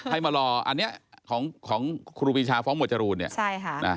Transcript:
ให้มารออันนี้ของครูปรีชาฟ้องหมวดจรูนเนี่ย